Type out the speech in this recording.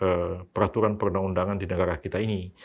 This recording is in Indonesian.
untuk memperbaiki peraturan peraturan perundang undangan di negara kita ini